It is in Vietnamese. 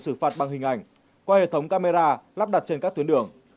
xử phạt bằng hình ảnh qua hệ thống camera lắp đặt trên các tuyến đường